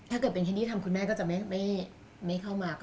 ถ้าเกิดเป็นแคนดี้ทำคุณแม่ก็จะไม่เข้ามา